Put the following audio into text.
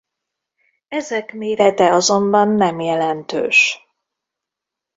Ezek mérete azonban nem jelentős.